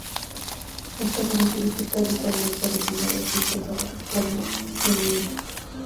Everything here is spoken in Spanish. Otra característica habitualmente reseñada es su intensa proclama feminista.